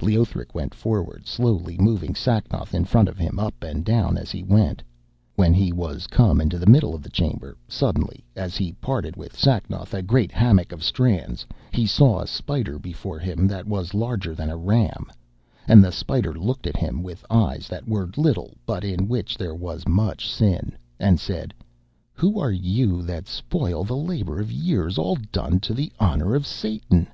Leothric went forward slowly, moving Sacnoth in front of him up and down as he went. When he was come into the middle of the chamber, suddenly, as he parted with Sacnoth a great hammock of strands, he saw a spider before him that was larger than a ram, and the spider looked at him with eyes that were little, but in which there was much sin, and said: 'Who are you that spoil the labour of years all done to the honour of Satan?'